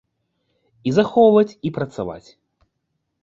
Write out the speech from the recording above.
І захоўваць і працаваць.